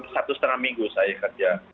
satu setengah minggu saya kerja